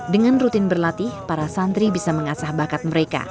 dengan rutin berlatih para santri bisa mengasah bakat mereka